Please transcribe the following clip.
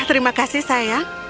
terima kasih sayang